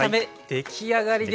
出来上がりです。